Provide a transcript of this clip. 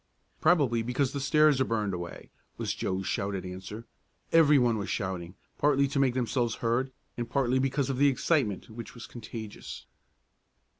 "Probably because the stairs are burned away," was Joe's shouted answer everyone was shouting, partly to make themselves heard and partly because of the excitement, which was contagious.